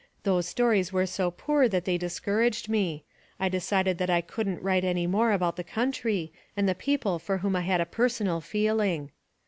Those stories were so poor that they discouraged me. I decided that I wouldn't write any more about the country and the people for whom I had a personal feeling.